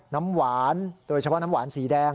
น้ำหวานโดยเฉพาะน้ำหวานสีแดง